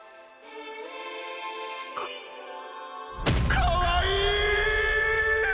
かわいい！